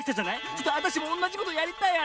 ちょっとあたしもおんなじことやりたいあれ。